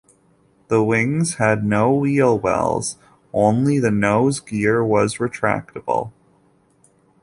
The wings had no wheel wells; only the nose gear was retractable.